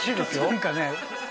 何かね。